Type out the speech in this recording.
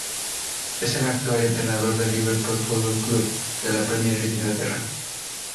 Es el actual entrenador del Liverpool Football Club de la Premier League de Inglaterra.